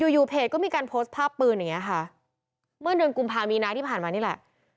อยู่อยู่เพจก็มีการโพสต์ภาพปืนอย่างเงี้ยค่ะเมื่อเดือนกุมภามีนาที่ผ่านมานี่แหละ